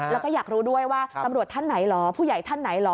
แล้วก็อยากรู้ด้วยว่าตำรวจท่านไหนเหรอผู้ใหญ่ท่านไหนเหรอ